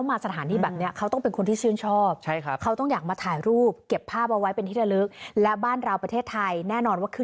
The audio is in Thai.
ไม่ขอบไม่ขอบมาก